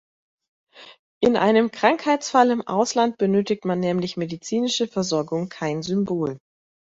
In einem Krankheitsfall im Ausland benötigt man nämlich medizinische Versorgung, kein Symbol.